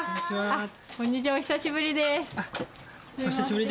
お久しぶりです。